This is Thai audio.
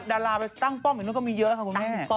ดาราไปตั้งป้อมอยู่นู้นก็มีเยอะค่ะคุณแม่